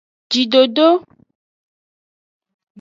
Jidodo.